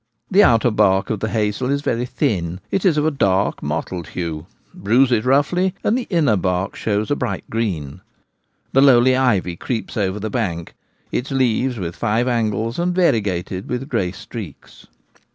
The outer bark of the hazel is very thin ; it is of a dark mottled hue ; bruise it roughly, and the inner bark shows a bright green. The lowly ivy creeps over the bank— its leaves with five angles, and variegated with grey streaks.